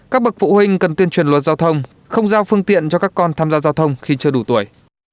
các bậc phụ huynh cần tuyên truyền luật giao thông không giao phương tiện cho các con tham gia giao thông khi chưa đủ tuổi